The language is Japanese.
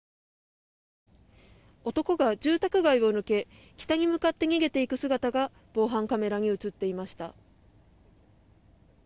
男が住宅街を抜け北に向かって逃げていく姿が防犯カメラに映っていました。